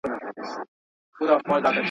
دا حرکت تر هغه بل حرکت ډېر اسانه دی.